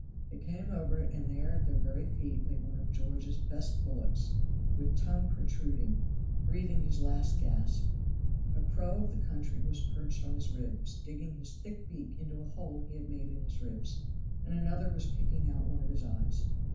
They came over it and there at their very feet lay one of George's best bullocks, with tongue protruded, breathing his last gasp. A crow of the country was perched on his ribs, digging his thick beak into a hole he had made in his ribs, and another was picking out one of his eyes.